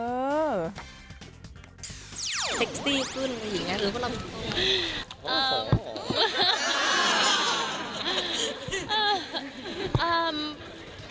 เซ็กซี่ขึ้นอย่างนี้